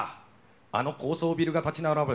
あの高層ビルが立ち並ぶ